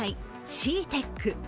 ＣＥＡＴＥＣ。